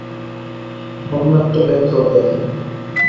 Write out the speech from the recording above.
অন্য একটা ব্যাখ্যাও দেয়া যায়।